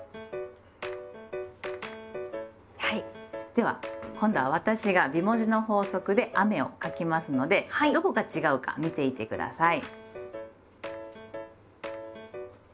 では今度は私が美文字の法則で「雨」を書きますのでどこが違うか見ていて下さい。